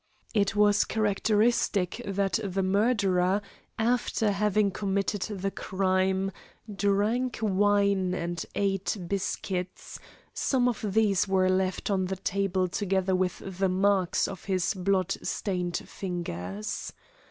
It was characteristic that the murderer, after having committed the crime, drank wine and ate biscuits some of these were left on the table together with the marks of his blood stained fingers.